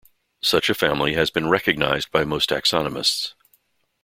Such a family has been recognized by most taxonomists.